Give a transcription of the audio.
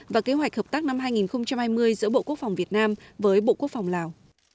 và kế hoạch hợp tác năm hai nghìn hai mươi giữa bộ quốc phòng việt nam với bộ quốc phòng lào